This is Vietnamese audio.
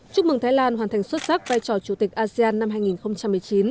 chúc mừng thái lan hoàn thành xuất sắc vai trò chủ tịch asean năm hai nghìn một mươi chín